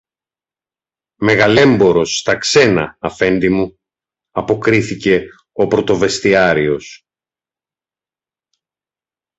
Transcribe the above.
Μεγαλέμπορος στα ξένα, Αφέντη μου, αποκρίθηκε ο πρωτοβεστιάριος.